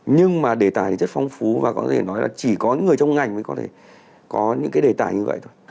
nhưng mà đề tài thì rất phong phú và có thể nói là chỉ có những người trong ngành mới có thể có những cái đề tài như vậy thôi